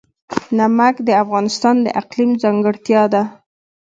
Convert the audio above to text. نمک د افغانستان د اقلیم ځانګړتیا ده.